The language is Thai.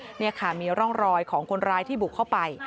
นี่ค่ะมีร่องรอยของคนร้ายที่บุกเข้าไป